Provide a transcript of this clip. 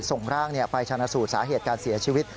ส่งร่างไปชนะสูตรสาเหตุการเสียชีวิต